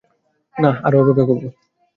না আর অপেক্ষা করাবো।